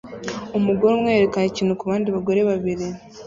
Umugore umwe yerekana ikintu kubandi bagore babiri